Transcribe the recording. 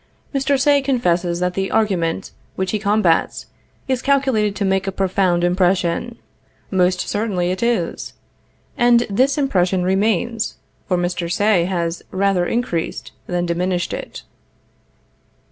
Mr. Say confesses that the argument which he combats is calculated to make a profound impression. Most certainly it is; and this impression remains; for Mr. Say has rather increased than diminished it."